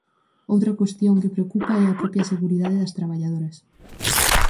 Outra cuestión que preocupa é a propia seguridade das traballadoras.